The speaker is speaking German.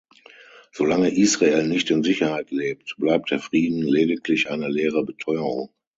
Solange Israel nicht in Sicherheit lebt, bleibt der Frieden lediglich eine leere Beteuerung.